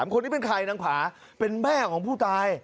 คนนี้เป็นใครนางผาเป็นแม่ของผู้ตาย